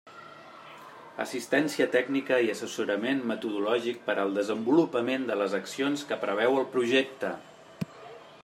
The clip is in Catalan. Assistència tècnica i assessorament metodològic per al desenvolupament de les accions que preveu el projecte.